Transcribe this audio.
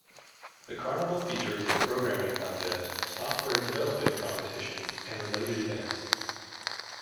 The carnival features a programming contest, software developing competition, and related events.